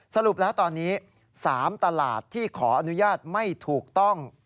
สรุปแล้วตอนนี้๓ตลาดที่ขออนุญาตไม่ถูกต้อง